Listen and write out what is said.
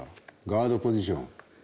ガードポジション。